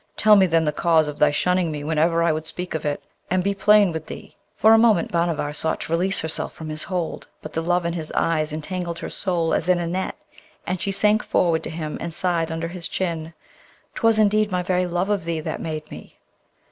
Tell me then the cause of thy shunning me whenever I would speak of it, and be plain with thee.' For a moment Bhanavar sought to release herself from his hold, but the love in his eyes entangled her soul as in a net, and she sank forward to him, and sighed under his chin, ''Twas indeed my very love of thee that made me.'